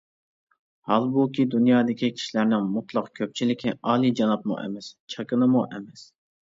ھالبۇكى، دۇنيادىكى كىشىلەرنىڭ مۇتلەق كۆپچىلىكى ئالىيجانابمۇ ئەمەس، چاكىنىمۇ ئەمەس.